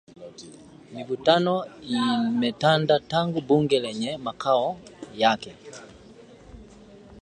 Mivutano imetanda tangu bunge lenye makao yake